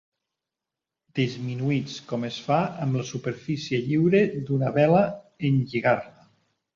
Disminuïts com es fa amb la superfície lliure d'una vela en lligar-la.